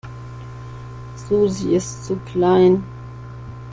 Susi ist zu klein.